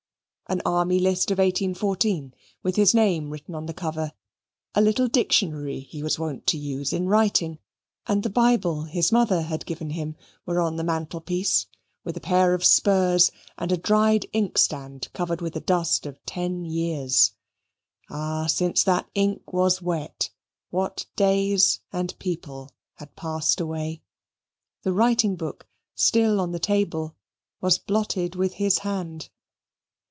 An Army list of 1814, with his name written on the cover; a little dictionary he was wont to use in writing; and the Bible his mother had given him, were on the mantelpiece, with a pair of spurs and a dried inkstand covered with the dust of ten years. Ah! since that ink was wet, what days and people had passed away! The writing book, still on the table, was blotted with his hand.